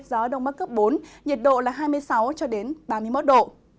gió đông bắc cấp bốn nhiệt độ là hai mươi sáu ba mươi một độ